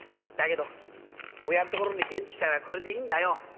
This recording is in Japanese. だけど親のところに帰ってきたらこれでいいんだよ。